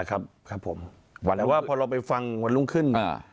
อ่ะครับวันแหลวว่าพอเราไปฟังวันรุ่นขึ้น